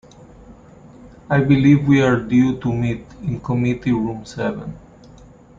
I believe we are due to meet in committee room seven.